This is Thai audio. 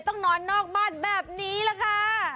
ต้องนอนนอกบ้านแบบนี้แหละค่ะ